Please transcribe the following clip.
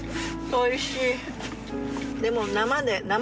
おいしい。